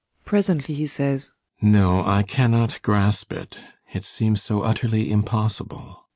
Presently he says.] No, I cannot grasp it. It seems so utterly impossible.